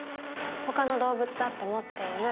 ほかの動物だって持っている。